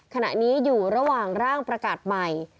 ขณะนี้อยู่ระหว่างร่างประกาศใหม่